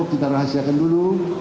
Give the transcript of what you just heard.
kita rahasiakan dulu